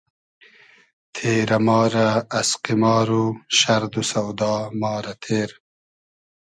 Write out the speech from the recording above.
تېرۂ ما رۂ از قیمار و شئرد و سۆدا ما رۂ تیر